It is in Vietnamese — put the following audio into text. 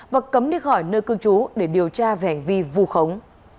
và cấm đi khỏi nơi cương trú để điều tra về hành vi vù khống